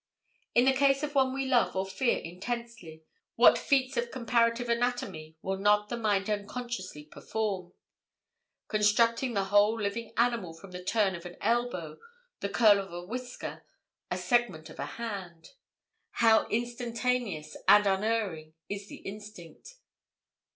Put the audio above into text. In the case of one we love or fear intensely, what feats of comparative anatomy will not the mind unconsciously perform? Constructing the whole living animal from the turn of an elbow, the curl of a whisker, a segment of a hand. How instantaneous and unerring is the instinct!